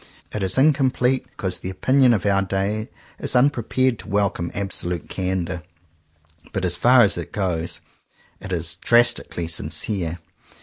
It is incomplete, because the opinion of our day is unprepared to welcome absolute candor. But as far as it goes, it is drastical ly sincere.